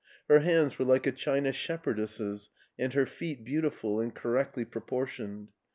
Her hands were like a china shepherdess's and her feet, beautiful and correctly proportioned.